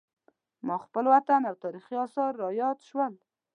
ما خپل وطن او تاریخي اثار را یاد شول.